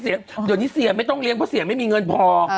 เดี๋ยวนี้เสียไม่ต้องเลี้ยงเพราะเสียไม่มีเงินพอ